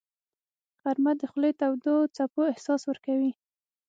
غرمه د خولې تودو څپو احساس ورکوي